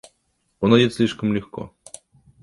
Он одет слишком легко.